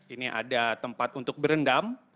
ini ada tempat untuk berendam